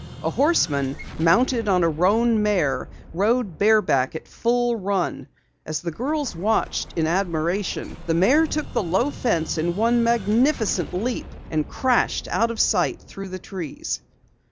A horseman, mounted on a roan mare, rode bareback at a full run. As the girls watched in admiration, the mare took the low fence in one magnificent leap and crashed out of sight through the trees.